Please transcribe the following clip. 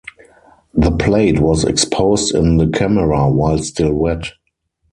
The plate was exposed in the camera while still wet.